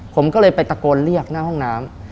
ผมก็เลยไปตะโกนเรียกหน้าห้องน้ำ